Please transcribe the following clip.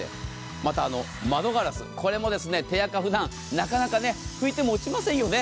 また窓ガラスも手あかふだんなかなか拭いても落とせませんよね。